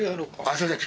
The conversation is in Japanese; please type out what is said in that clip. すいません。